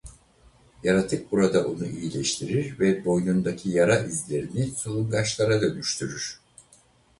Yaratık burada onu iyileştirir ve boynundaki yara izlerini solungaçlara dönüştürür.